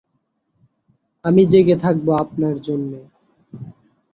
আমি জেগে থাকব আপনার জন্যে।